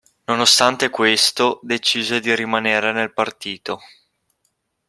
Nonostante questo decise di rimanere nel partito.